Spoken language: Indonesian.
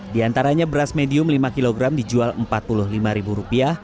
di antaranya beras medium lima kg dijual rp empat puluh lima